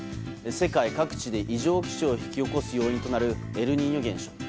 世界各地で異常気象を引き起こす要因となるエルニーニョ現象。